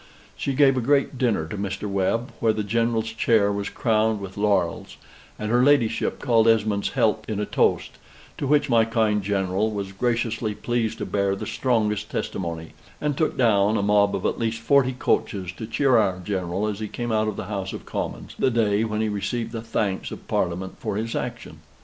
She gave a great dinner to Mr. Webb, where the General's chair was crowned with laurels; and her ladyship called Esmond's health in a toast, to which my kind General was graciously pleased to bear the strongest testimony: and took down a mob of at least forty coaches to cheer our General as he came out of the House of Commons, the day when he received the thanks of Parliament for his action.